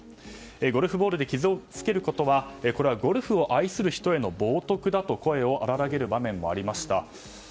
ゴルフボールで傷をつけることはゴルフを愛する人への冒涜だと声を荒らげる場面もありました。